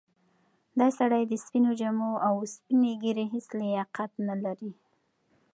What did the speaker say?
دا سړی د سپینو جامو او سپینې ږیرې هیڅ لیاقت نه لري.